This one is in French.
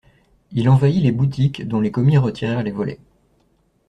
Il envahit les boutiques dont les commis retirèrent les volets.